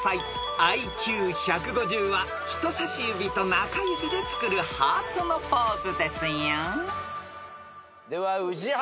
［ＩＱ１５０は人さし指と中指でつくるハートのポーズですよ］では宇治原。